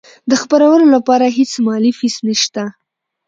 د خپرولو لپاره هیڅ مالي فیس نشته.